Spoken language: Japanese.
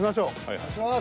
お願いします。